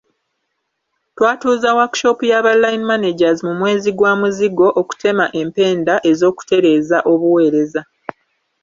Twatuuza workshop y’aba Line Managers mu mwezi gwa Muzigo okutema empenda ez’okutereeza obuweereza.